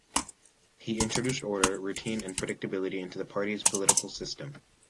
He introduced order, routine and predictability into the party's political system.